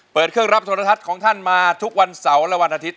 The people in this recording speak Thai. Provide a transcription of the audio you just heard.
เปิดเครื่องรับโทรทัศน์ของท่านมาทุกวันเสาร์และวันอาทิตย